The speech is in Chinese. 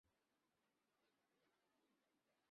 京都所司代村井贞胜则夜宿于本能寺前的自邸。